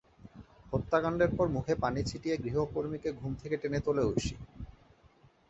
হত্যাকাণ্ডের পর মুখে পানি ছিটিয়ে গৃহকর্মীকে ঘুম থেকে টেনে তোলে ঐশী।